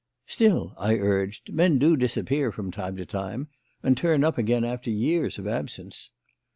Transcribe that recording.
"Still," I urged, "men do disappear from time to time, and turn up again after years of absence."